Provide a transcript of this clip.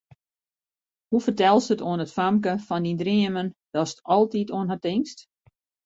Hoe fertelst it oan it famke fan dyn dreamen, datst altyd oan har tinkst?